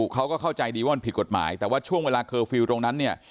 เขาก็เข้าใจดีว่ามันผิดกฎหมายแต่ว่าช่วงเวลาเคอร์ฟิลล์ตรงนั้นเนี่ย